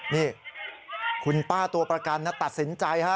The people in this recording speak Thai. นี่คุณป้าตัวประกันตัดสินใจฮะ